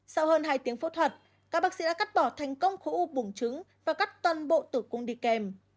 sau hơn hai tiếng phẫu thuật các bác sĩ đã cắt bỏ thành công khối u bùn trứng và cắt toàn bộ tử cung đi kèm